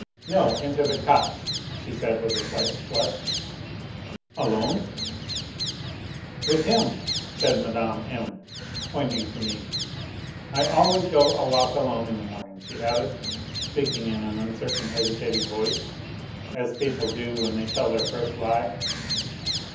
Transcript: " No, into the copse," she said, with a slight flush. " Alone ?"" With him," said Mme. M., pointing to me. " I always go a walk alone in the morning," she added, speaking in an uncertain, hesitating voice, as people do when they tell their first lie.